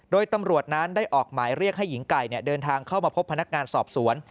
โดยตำรวจนั้นได้ออกหมายเรียกให้หญิงไก่เดินทางเข้ามาพบพนักงานสอบสวน